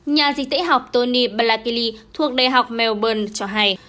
nhà dịch tễ học tony blatili thuộc đại học melbourne cho hay